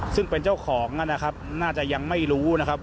ซึ่งเป็นเจ้าของนะครับน่าจะยังไม่รู้นะครับ